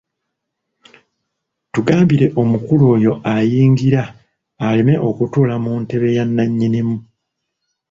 Tugambire omukulu oyo ayingira aleme kutuula mu ntebe ya nnannyinimu.